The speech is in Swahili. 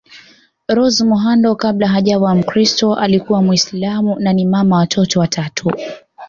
Rose Muhando kabla hajawa mkristo alikuwa Muislam na ni mama wa watoto watatu